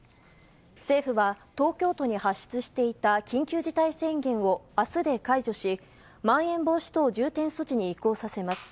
政府は東京都に発出していた緊急事態宣言をあすで解除し、まん延防止等重点措置に移行させます。